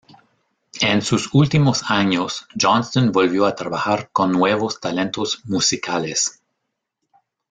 En sus últimos años, Johnston volvió a trabajar con nuevos talentos musicales.